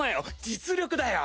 実力だよ。